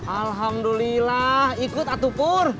alhamdulillah ikut atuh pur